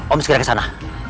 om segera kesana